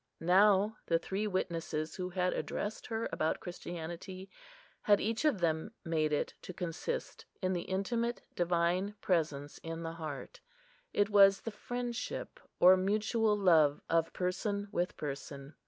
Now the three witnesses who had addressed her about Christianity had each of them made it to consist in the intimate Divine Presence in the heart. It was the friendship or mutual love of person with person.